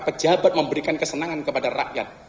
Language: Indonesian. pejabat memberikan kesenangan kepada rakyat